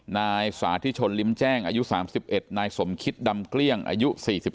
นายสาธิชนลิ้มแจ้งอายุ๓๑นายสมคิดดำเกลี้ยงอายุ๔๓